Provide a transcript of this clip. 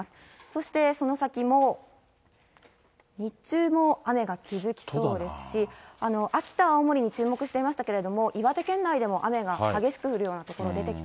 そしてその先も、日中も雨が続きそうですし、秋田、青森に注目していましたけれども、岩手県内でも雨が激しく降るような所出てき